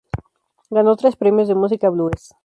Ganó tres Premios de Música Blues.